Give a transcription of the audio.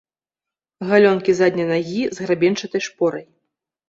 Галёнкі задняй нагі з грабеньчатай шпорай.